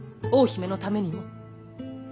大姫のためにも。